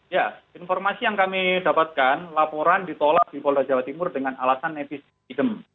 ya informasi yang kami dapatkan laporan ditolak di polda jawa timur dengan alasan netizen